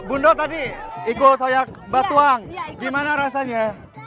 bundo tadi ikut soyak batuang gimana rasanya